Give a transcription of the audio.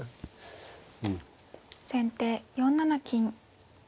先手４七金。